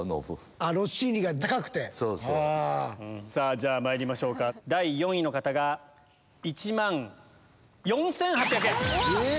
じゃまいりましょうか第４位の方が１万４８００円。